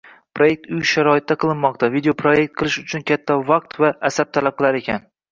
Proyekt uy sharoitida qilinmoqda, videoproyekt qilish juda katta vaqt va asab talab qilar ekan.